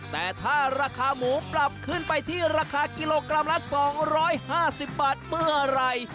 แต่ถ้าราคาหมูปรับขึ้นไปที่ราคากิโลกรัมละ๒๕๐บาทเมื่อไหร่